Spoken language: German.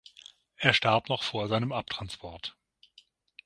Er starb noch vor seinem Abtransport.